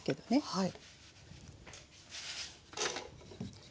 はい。